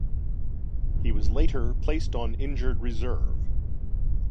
He was later placed on Injured Reserve.